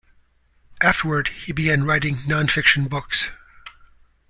Afterward, he began writing non-fiction books.